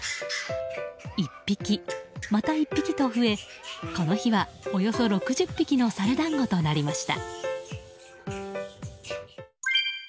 １匹、また１匹と増えこの日はおよそ６０匹のサル団子となりました。